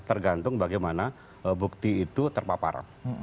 tergantung bagaimana bukti itu terpapar